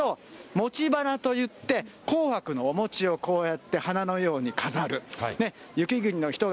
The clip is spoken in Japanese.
お正月の飾りというと、餅花といって、紅白のお餅をこうやって花のように飾る。